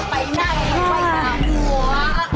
ไปนาไปกับหัว